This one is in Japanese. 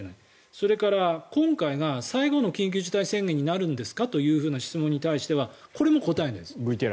それから、今回が最後の緊急事態宣言になるんですか？という質問に対してはこれも答えないです。